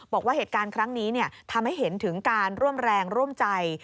บอกว่าเหตุการณ์ครั้งนี้ทำให้เห็นถึงการร่วมแรงร่วมใจ